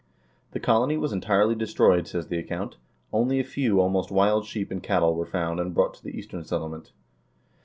The colony was entirely destroyed, says the account, only a few almost wild sheep and cattle were found and brought to the Eastern Settlement.